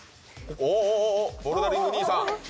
おボルダリング兄さん！